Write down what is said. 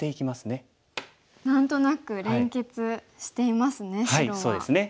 何となく連結していますね